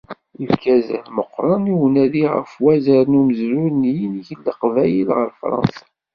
Yefka azal meqqren i unadi ɣef wazar n umezruy n yinig n leqbayel ɣer fransa.